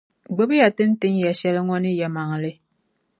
Gbibi ya ti ni tin ya shɛli ŋɔ ni yɛlimaŋli.